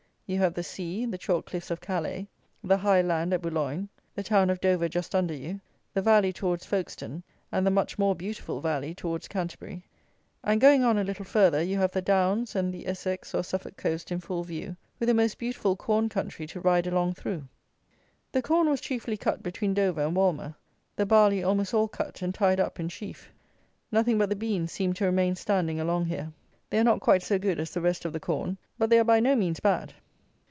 You have the sea, the chalk cliffs of Calais, the high land at Boulogne, the town of Dover just under you, the valley towards Folkestone, and the much more beautiful valley towards Canterbury; and, going on a little further, you have the Downs and the Essex or Suffolk coast in full view, with a most beautiful corn country to ride along through. The corn was chiefly cut between Dover and Walmer. The barley almost all cut and tied up in sheaf. Nothing but the beans seemed to remain standing along here. They are not quite so good as the rest of the corn; but they are by no means bad.